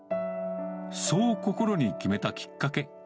そう心に決めたきっかけ。